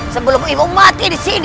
sebelum ibu mati disini